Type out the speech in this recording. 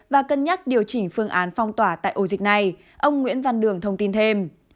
và cân nhắc điều chỉnh phương án phong tỏa tại ổ dịch này ông nguyễn văn đường thông tin thêm